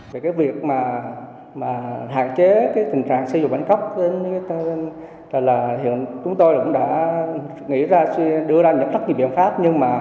về cái việc mà hạn chế cái tình trạng xe dù bến cốc là hiện chúng tôi cũng đã nghĩ ra đưa ra rất nhiều biện pháp